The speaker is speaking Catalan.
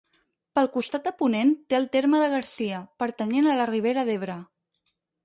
Pel costat de ponent té el terme de Garcia, pertanyent a la Ribera d'Ebre.